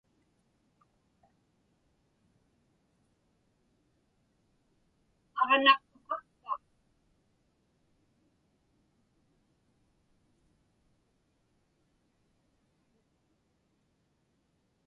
Aġnaq uqaqpa?